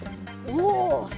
おお！